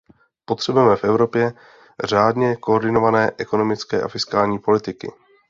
Potřebujeme v Evropě řádně koordinované ekonomické a fiskální politiky.